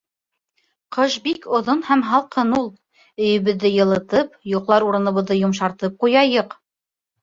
Ҡыш бик оҙон һәм һалҡын ул. Өйөбөҙҙө йылытып, йоҡлар урыныбыҙҙы йомшартып ҡуяйыҡ.